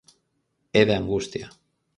É de angustia.